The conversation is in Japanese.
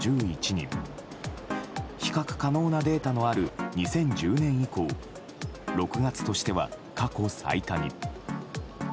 比較可能なデータのある２０１０年以降６月としては過去最多に。